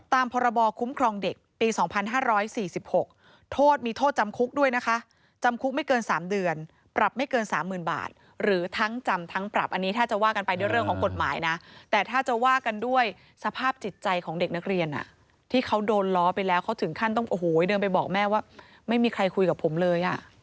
พรบคุ้มครองเด็กปี๒๕๔๖โทษมีโทษจำคุกด้วยนะคะจำคุกไม่เกิน๓เดือนปรับไม่เกิน๓๐๐๐บาทหรือทั้งจำทั้งปรับอันนี้ถ้าจะว่ากันไปด้วยเรื่องของกฎหมายนะแต่ถ้าจะว่ากันด้วยสภาพจิตใจของเด็กนักเรียนที่เขาโดนล้อไปแล้วเขาถึงขั้นต้องโอ้โหเดินไปบอกแม่ว่าไม่มีใครคุยกับผมเลย